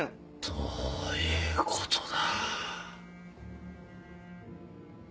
どういうことだ？